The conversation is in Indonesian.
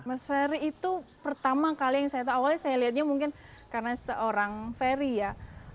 mas ferry itu pertama kali yang saya tahu awalnya saya lihatnya mungkin karena seorang ferry ya